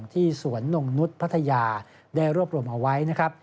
ที่สวนนงนุษย์พัทยาได้รวบรวมเอาไว้นะครับ